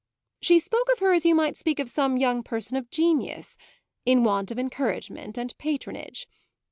She spoke of her as you might speak of some young person of genius in want of encouragement and patronage.